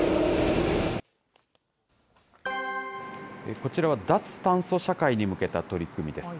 こちらは脱炭素社会に向けた取り組みです。